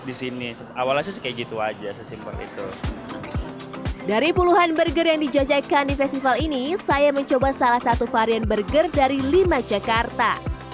dari puluhan burger yang dijajakan di festival ini saya mencoba salah satu varian burger dari lima jakarta